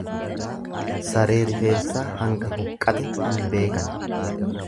Saree rifeensaa hanga huqqate hin beekani.